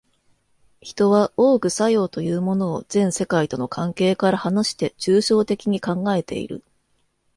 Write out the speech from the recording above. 人は多く作用というものを全世界との関係から離して抽象的に考えている。